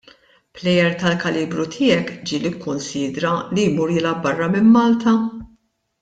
Plejer tal-kalibru tiegħek ġieli kkunsidra li jmur jilgħab barra minn Malta?